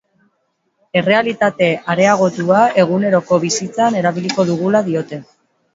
Errealitate areagotua eguneroko bizitzan erabiliko dugula diote.